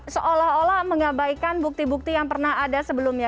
seolah olah mengabaikan bukti bukti yang pernah ada sebelumnya